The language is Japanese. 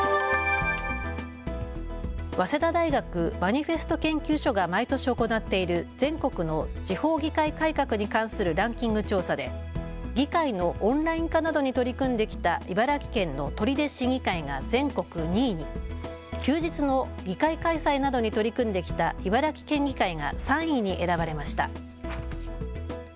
早稲田大学マニフェスト研究所が毎年行っている全国の地方議会改革に関するランキング調査で議会のオンライン化などに取り組んできた茨城県の取手市議会が全国２位に、休日の議会開催などに取り組んできた茨城県議会が３位に選ばれました。